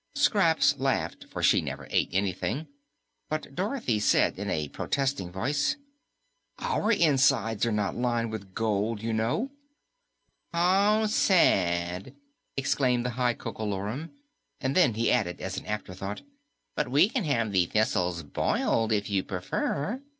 Scraps laughed, for she never ate anything, but Dorothy said in a protesting voice, "OUR insides are not lined with gold, you know." "How sad!" exclaimed the High Coco Lorum, and then he added as an afterthought, "but we can have the thistles boiled, if you prefer."